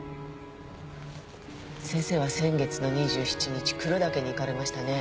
先生は先月の２７日黒岳に行かれましたね。